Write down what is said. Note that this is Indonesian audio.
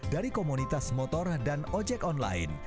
dari komunitas motor dan ojek online